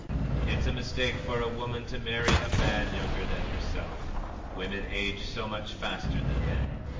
"_It's a mistake for a woman to marry a man younger than herself women age so much faster than men.